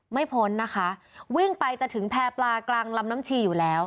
พ้นนะคะวิ่งไปจะถึงแพร่ปลากลางลำน้ำชีอยู่แล้ว